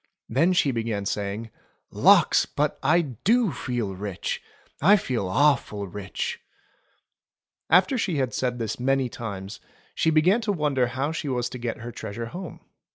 Then she began saying : "Lawks ! But I do feel rich. I feel awful rich !" After she had said this many times, she began to wonder how she was to get her treasure home.